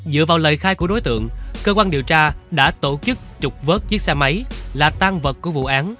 dựa vào lời khai của đối tượng cơ quan điều tra đã tổ chức trục vớt chiếc xe máy là tan vật của vụ án